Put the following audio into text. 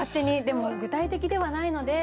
でも具体的ではないので。